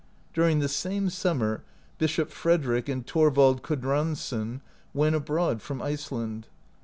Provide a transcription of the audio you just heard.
During the same summer Bishop Frederick and Thorvald Kodransson (61) went abroad [from Iceland]